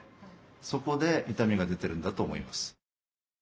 そこで痛みが出てるんだと思います。